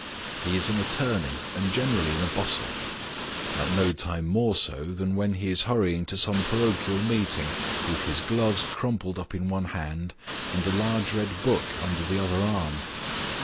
Ho is an attorney, and generally in a bustle : at no time more so, than when he is hurrying to some parochial meeting, with his gloves crumpled up in one hand, and a large red book under the other arm.